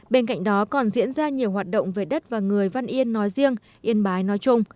bên cạnh đó còn diễn ra nhiều hoạt động về đất và người văn yên nói riêng yên bái nói chung